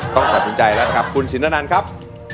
ต้องตัดสินใจแล้วนะครับคุณชินอนันครับ